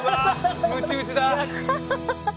むち打ちだ。